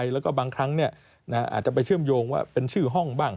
แล้วก็บางครั้งอาจจะไปเชื่อมโยงว่าเป็นชื่อห้องบ้าง